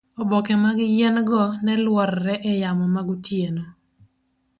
oboke mag yien go neluorre e yamo magotieno